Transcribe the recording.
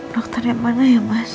dokter yang mana ya mas